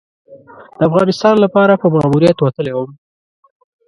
د افغانستان لپاره په ماموریت وتلی وم.